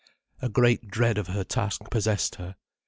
A great dread of her task possessed her.